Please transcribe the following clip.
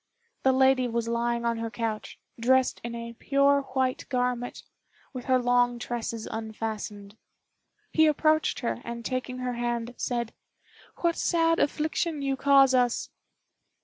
The lady was lying on her couch, dressed in a pure white garment, with her long tresses unfastened. He approached her, and taking her hand, said: "What sad affliction you cause us!"